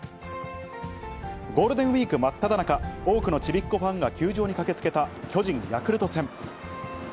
ゴールデンウィーク真っただ中、多くのちびっ子ファンが球場に駆けつけた巨人・ヤクルト戦。